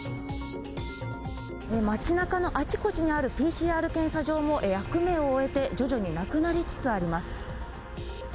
街なかのあちこちにあるＰＣＲ検査場も役目を終えて、徐々になくなりつつあります。